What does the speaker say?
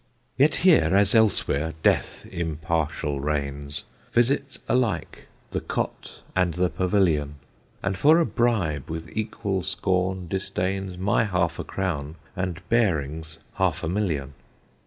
Yet here, as elsewhere, death impartial reigns, Visits alike the cot and the Pavilion, And for a bribe with equal scorn disdains My half a crown, and Baring's half a million.